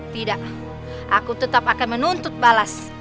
tidak aku tetap akan menuntut balas